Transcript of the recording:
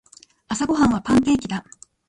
朝ごはんはパンケーキだ。